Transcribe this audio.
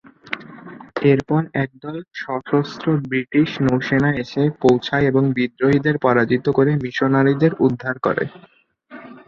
এরপর একদল সশস্ত্র ব্রিটিশ নৌসেনা এসে পৌঁছায় এবং বিদ্রোহীদের পরাজিত করে মিশনারিদের উদ্ধার করে।